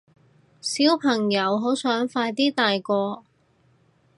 小朋友好想快啲大個